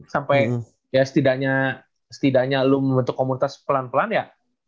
sampai ya setidaknya lu membentuk komunitas pelan pelan ya